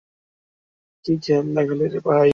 কি খেল দেখালি রে, ভাই!